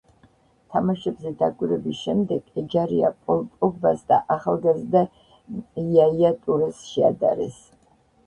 თამაშებზე დაკვირვების შემდეგ, ეჯარია პოლ პოგბას და ახალგაზრდა იაია ტურეს შეადარეს.